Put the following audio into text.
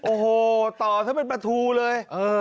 โอ้โหต่อซะเป็นประทูเลย